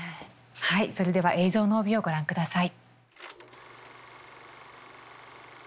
はいそれでは映像の帯をご覧ください。